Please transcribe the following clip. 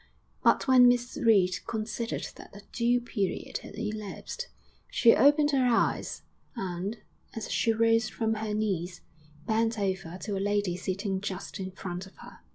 But when Miss Reed considered that a due period had elapsed, she opened her eyes, and, as she rose from her knees, bent over to a lady sitting just in front of her.